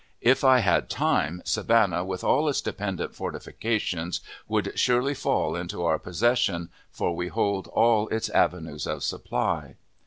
If I had time, Savannah, with all its dependent fortifications, would surely fall into our possession, for we hold all its avenues of supply.